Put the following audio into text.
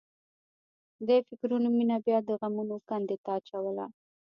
دې فکرونو مينه بیا د غمونو کندې ته اچوله